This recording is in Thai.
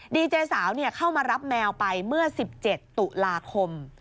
ดีเจสาวเข้ามารับแมวไปเมื่อ๑๗ตุลาคม